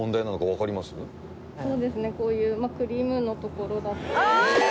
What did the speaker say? こういうクリームのところだったり。